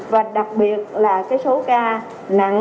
và đặc biệt là cái số ca nặng